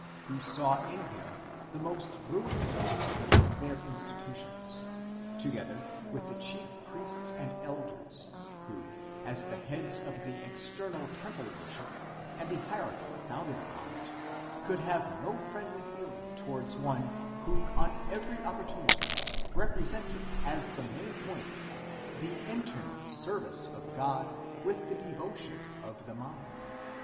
who saw in him the most ruinous opponent of their institutions ; to gether with the chief priests and elders, who, as the heads of the external temple worship and the hierarchy founded upon it, could have no friendly feeling towards one who on every opportunity represented as the main point, the internal service of God with the devotion of the mind.